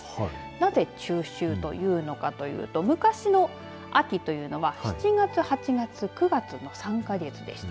なぜ、中秋というのかというと昔の秋というのは７月、８月９月の３か月でした。